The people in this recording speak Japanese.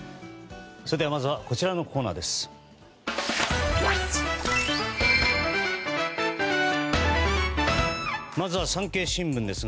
それではまずはこちらのコーナーです。